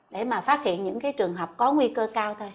để mà phát hiện những trường hợp có nguy cơ cao thôi